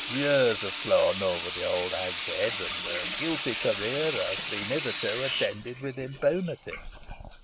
Years have flown over the old hag's head, and her guilty career has been hitherto attended with impunity.